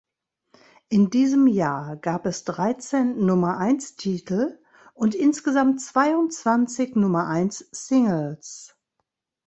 In diesem Jahr gab es dreizehn Nummer-eins-Titel und insgesamt zweiundzwanzig Nummer-eins-Singles.